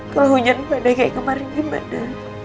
kalau hujan badai kayak kemarin gimana